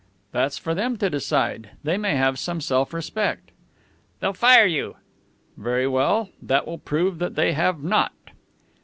"That's for them to decide. They may have some self respect." "They'll fire you!" "Very well. That will prove that they have not."